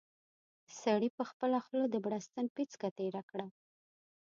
سړي په خپله خوله د بړستن پېڅکه تېره کړه.